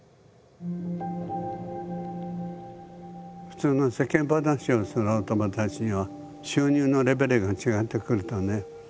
普通の世間話をするお友達には収入のレベルが違ってくるとね